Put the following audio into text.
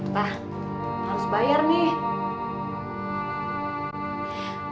pak harus bayar nih